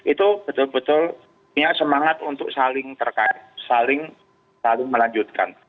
itu betul betul punya semangat untuk saling terkait saling melanjutkan